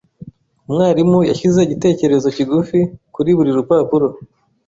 Umwarimu yashyize igitekerezo kigufi kuri buri rupapuro.